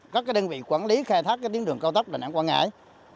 các đơn vị quản lý khai thác cái tiến đường cao tốc đà nẵng quang ngãi